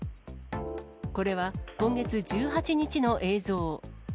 これは今月１８日の映像。